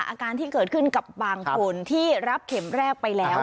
อาการที่เกิดขึ้นกับบางคนที่รับเข็มแรกไปแล้ว